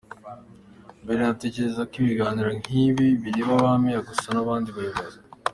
Mbere natekerezaga ko ibiganiro nk'ibi bireba ba Mayor gusa n'abandi bayobozi.